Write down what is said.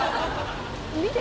見て！